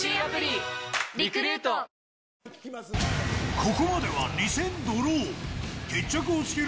ここまでは２戦ドロー。